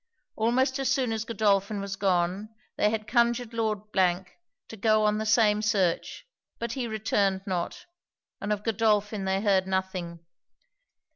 Almost as soon as Godolphin was gone, they had conjured Lord to go on the same search: but he returned not; and of Godolphin they heard nothing.